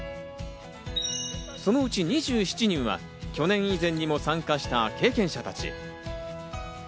そのうち２７人は去年以前にも参加した経験者たち。